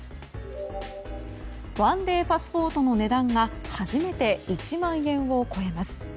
１デーパスポートの値段が初めて１万円を超えます。